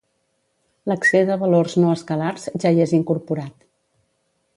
L'accés a valors no escalars ja hi és incorporat.